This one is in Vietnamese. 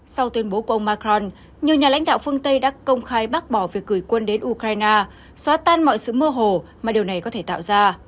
sau tuyên bố của ông macron nhiều nhà lãnh đạo phương tây đã công khai bác bỏ việc gửi quân đến ukraine xóa tan mọi sự mơ hồ mà điều này có thể tạo ra